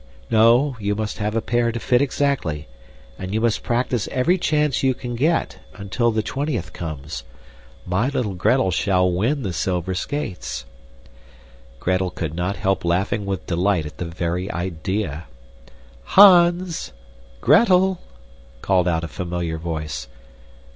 No, you must have a pair to fit exactly, and you must practice every chance you can get, until the twentieth comes. My little Gretel shall win the silver skates." Gretel could not help laughing with delight at the very idea. "Hans! Gretel!" called out a familiar voice.